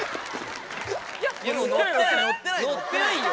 乗ってないよ。